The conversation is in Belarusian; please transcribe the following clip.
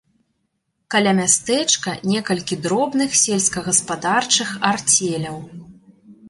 Каля мястэчка некалькі дробных сельскагаспадарчых арцеляў.